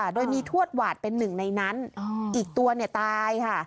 โดยมีทวดหวาดเป็นหนึ่งในนั้นอีกตัวตายค่ะ